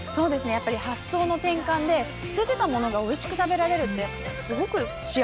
やっぱり発想の転換で捨ててた物がおいしく食べられるってすごく幸せなことだなって思いますね。